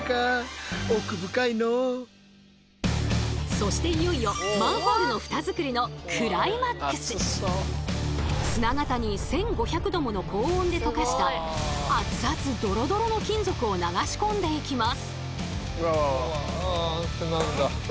そしていよいよマンホールの砂型に１，５００℃もの高温で溶かした熱々ドロドロの金属を流しこんでいきます。